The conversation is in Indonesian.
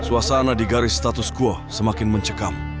suasana di garis status quo semakin mencekam